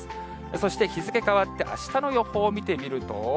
そして日付変わって、あしたの予報見てみると。